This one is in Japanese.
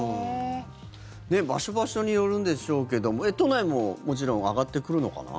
場所場所によるんでしょうが都内ももちろん上がってくるのかな。